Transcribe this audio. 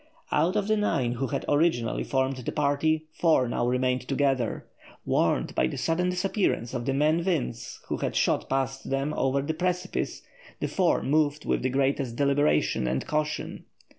Out of the nine who had originally formed the party, four now remained together. Warned by the sudden disappearance of the man Vince, who had shot past them over the precipice, the four moved with the greatest deliberation and caution.